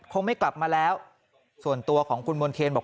คงไม่กลับมาแล้วส่วนตัวของคุณมณ์เทียนบอก